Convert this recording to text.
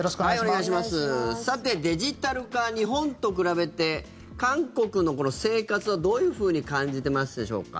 さて、デジタル化日本と比べて韓国の生活はどういうふうに感じてますでしょうか。